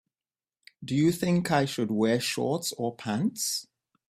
Do you think I should wear shorts or pants?